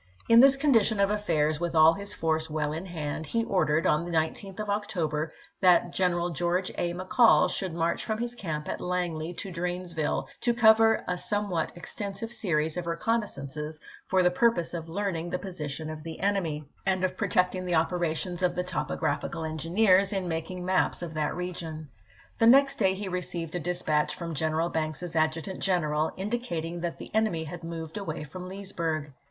In this condition of affairs, with all his force well in hand, he ordered, on the 19th of October, that General George A. McCall should march from his camp at Langley to Dranesville, to cover a some what extensive series of reconnaissances for the purpose of learning the position of the enemy, and 454 ABRAHAM LINCOLN ch. XXV. of protecting the operations of the topographical en gineers in making maps of that region. The next day he received a dispatch from General Banks's adju tant general, indicating that the enemy had moved away from Leesburg.